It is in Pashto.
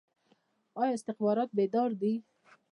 آیا استخبارات بیدار دي؟